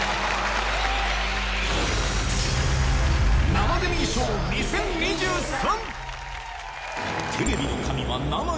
生デミー賞２０２３。